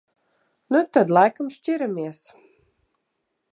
Nu tad laikam šķiramies.